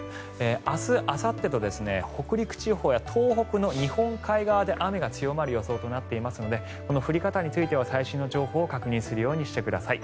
明日あさってと北陸地方や東北の日本海側で雨が強まる予想となっていますのでこの降り方については最新の情報を確認するようにしてください。